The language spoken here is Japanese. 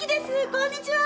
こんにちは。